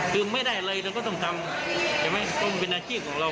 คือไม่ได้เลยเราก็ต้องทำต้องเป็นอาชีพของเรา